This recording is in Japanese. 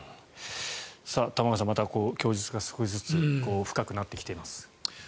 玉川さん、また供述が少しずつ深くなってきています。